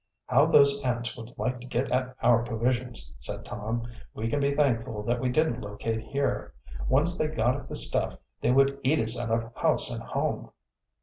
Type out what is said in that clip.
"How those ants would like to get at our provisions," said Tom. "We can be thankful that we didn't locate here. Once they got at the stuff, they would eat us out of house and home."